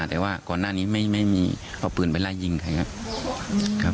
แต่ว่าก่อนหน้านี้ไม่มีเอาปืนไปไล่ยิงใครครับ